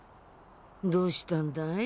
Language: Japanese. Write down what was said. どうしたんだい？